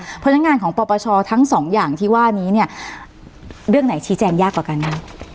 เพราะฉะนั้นงานของปปชทั้งสองอย่างที่ว่านี้เนี่ยเรื่องไหนชี้แจงยากกว่ากันคะ